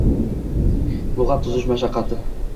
Lug‘at tuzish mashaqqati